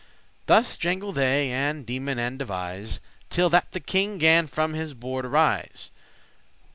* *known Thus jangle they, and deemen and devise, Till that the king gan from his board arise.